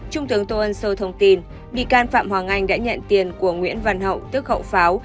trung tướng tô ân sô thông tin bị can phạm hoàng anh đã nhận tiền của nguyễn văn hậu tức hậu pháo